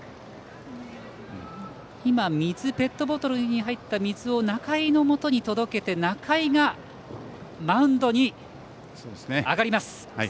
ペットボトルに入った水を仲井のもとに届けて仲井がマウンドに上がります。